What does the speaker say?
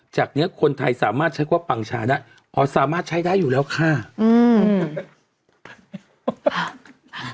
จากเนี้ยคนไทยสามารถใช้ความปังชาได้อ๋อสามารถใช้ได้อยู่แล้วค่ะอืม